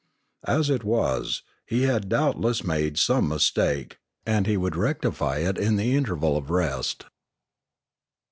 As it was, he had doubtless made some mistake; and he would rectify it in the interval of rest.